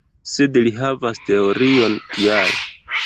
Sed li havas teorion kial.